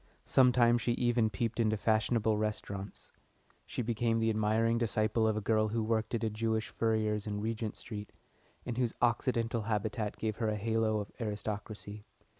Sometimes she even peeped into fashionable restaurants. She became the admiring disciple of a girl who worked at a Jewish furrier's in Regent Street, and whose occidental habitat gave her a halo of aristocracy.